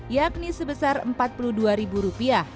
yakni sebesar rp empat puluh dua